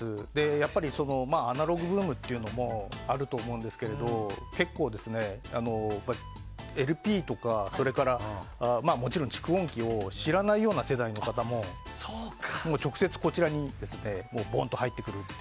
やっぱりアナログブームというのもあると思うんですけど結構、ＬＰとかそれから、もちろん蓄音機を知らないような世代の方も直接、こちらにボンと入ってきて。